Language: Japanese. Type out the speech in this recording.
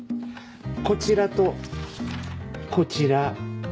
こちらとこちら。